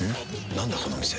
なんだこの店。